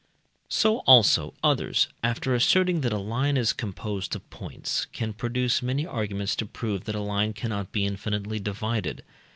So, also, others, after asserting that a line is composed of points, can produce many arguments to prove that a line cannot be infinitely divided.